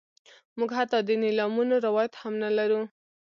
موږ حتی د نیلامونو روایت هم نه لرو.